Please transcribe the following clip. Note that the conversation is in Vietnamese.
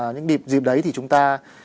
những dịp đấy thì chúng ta